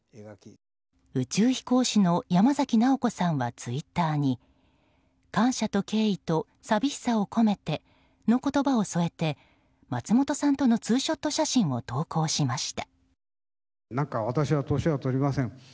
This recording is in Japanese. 宇宙飛行士の山崎直子さんはツイッターに感謝と敬意と寂しさを込めての言葉を添えて松本さんとのツーショット写真を投稿しました。